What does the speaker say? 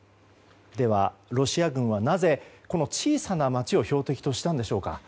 では、ロシア軍はなぜこの小さな街を標的としたのでしょうか。